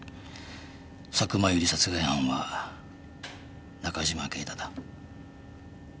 佐久間由理殺害犯は中嶋敬太だ。